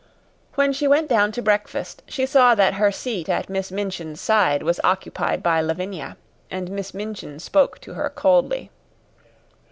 When she went down to breakfast she saw that her seat at Miss Minchin's side was occupied by Lavinia, and Miss Minchin spoke to her coldly.